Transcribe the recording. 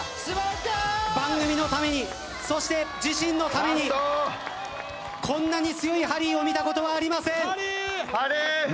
番組のためにそして自身のためにこんなに強いハリーを見たことはありません。